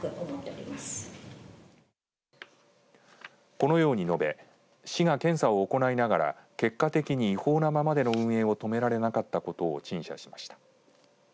このように述べ市が検査を行いながら結果的に違法なままでの運営を止められなかったことを陳謝しました。